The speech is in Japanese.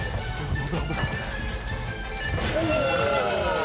お！